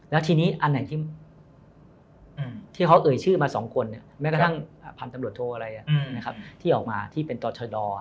แล้วทีนี้อันไหนที่เขาเอ่ยชื่อมา๒คนแม้กระทั่งพันธุ์ตำรวจโทอะไรที่ออกมาที่เป็นต่อชะดอ